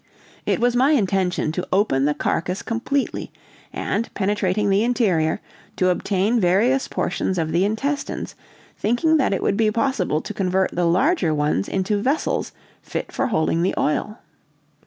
It was my intention to open the carcase completely, and, penetrating the interior, to obtain various portions of the intestines, thinking that it would be possible to convert the larger ones into vessels fit for holding the oil.